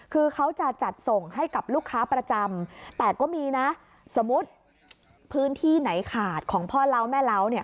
คือเขาจะจัดส่งให้กับลูกค้าประจำแต่ก็มีนะสมมุติพื้นที่ไหนขาดของพ่อเล้าแม่เล้าเนี่ย